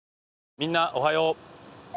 みんなおはよう。